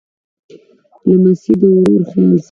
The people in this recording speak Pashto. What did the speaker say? لمسی د ورور خیال ساتي.